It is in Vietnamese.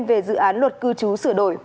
về dự án luật cư trú sửa đổi